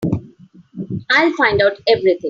I'll find out everything.